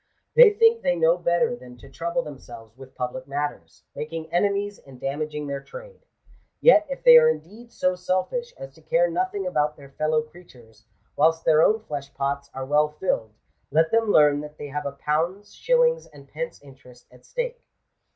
They think they know better than to trouble themselves with public matters, making enemies and damaging their trade. Yet if they are indeed so selfish as to care nothing about their fellow crea Digitized by VjOOQIC GENERAL CONSIDERATIONS. 447 tures, whilst their own flesh pots are well filled, let them learn that they have a pounds, shillings, and pence interest at stake.